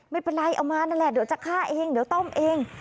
ไม่เป็นไรเอามานั่นแหละเดี๋ยวจะฆ่าเองเดี๋ยวต้อมเอง